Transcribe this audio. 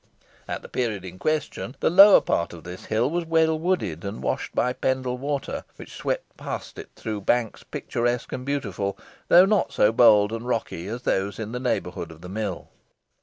At the period in question the lower part of this hill was well wooded, and washed by the Pendle Water, which swept past it through banks picturesque and beautiful, though not so bold and rocky as those in the neighbourhood of the mill.